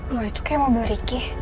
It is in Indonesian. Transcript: wah itu kayak mobil ricky